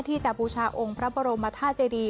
ที่จะบูชาองค์พระบรมธาตุเจดี